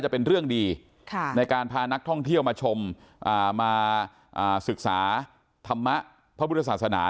เป็นเรื่องดีในการพานักท่องเที่ยวมาชมมาศึกษาธรรมะพระพุทธศาสนา